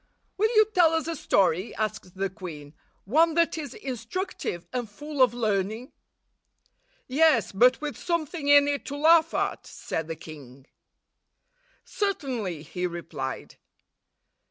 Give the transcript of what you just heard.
"Will you tell us a story," asked the queen — "one that is instructive and full of learning?" "Yes, but with something in it to laugh at," said the king. "Certainly," he replied.